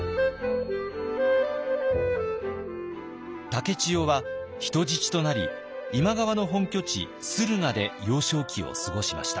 竹千代は人質となり今川の本拠地駿河で幼少期を過ごしました。